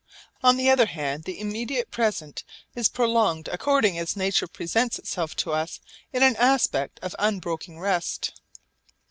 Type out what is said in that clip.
On the other hand the immediate present is prolonged according as nature presents itself to us in an aspect of unbroken rest.